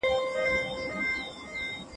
ټولنه که ناسمه غذا ورکړي، د بحران سبب کیږي.